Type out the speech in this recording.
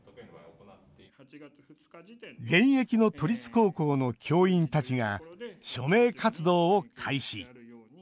現役の都立高校の教員たちが署名活動を開始。